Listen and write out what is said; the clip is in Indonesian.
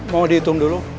mau dihitung dulu